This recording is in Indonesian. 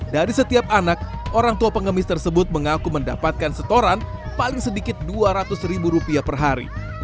dari setiap anak orang tua pengemis tersebut mengaku mendapatkan setoran paling sedikit dua ratus ribu rupiah per hari